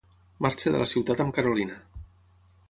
Marxa de la ciutat amb Carolina.